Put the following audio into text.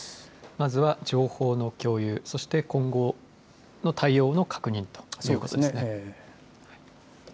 まずは情報の共有、そして今後の対応の確認ということですね。